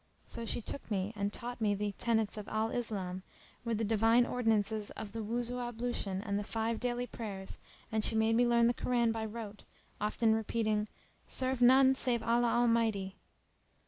So she took me and taught me the tenets of Al Islam with the divine ordinances[FN#320] of the Wuzu ablution and the five daily prayers and she made me learn the Koran by rote, often repeating:—Serve none save Allah Almighty!